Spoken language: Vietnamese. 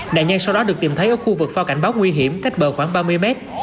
nạn nhân sau đó được tìm thấy ở khu vực phao cảnh báo nguy hiểm cách bờ khoảng ba mươi mét